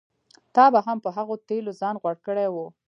تا به هم په هغو تېلو ځان غوړ کړی و.